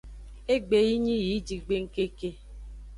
Egbe yi nyi yi jigbengkeke.